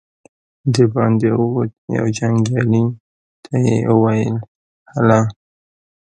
د باندې ووت، يوه جنګيالي ته يې وويل: هله!